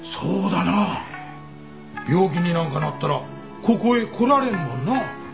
病気になんかなったらここへ来られんもんな。